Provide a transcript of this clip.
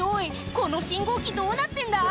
この信号機どうなってんだ？